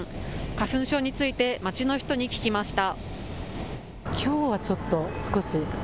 花粉症について街の人に聞きました。